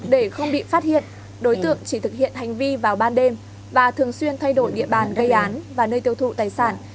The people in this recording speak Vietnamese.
để không bị phát hiện đối tượng chỉ thực hiện hành vi vào ban đêm và thường xuyên thay đổi địa bàn gây án và nơi tiêu thụ tài sản